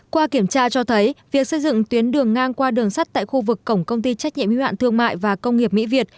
qua kiểm tra cho thấy việc xây dựng tuyến đường ngang qua đường sắt tại khu vực cổng công ty trách nhiệm hữu hạn thương mại và công nghiệp mỹ việt